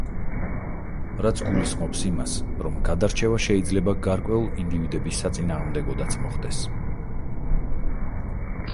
რაც გულისხმობს იმას, რომ გადარჩევა შეიძლება გარკვეულ ინდივიდების საწინააღმდეგოდაც მოხდეს.